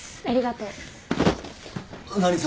ありがとう。何？